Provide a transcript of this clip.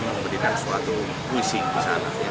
memberikan suatu puisi di sana